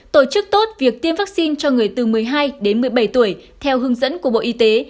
tổ chức tốt việc tiêm vaccine cho người từ một mươi hai đến một mươi bảy tuổi theo hướng dẫn của bộ y tế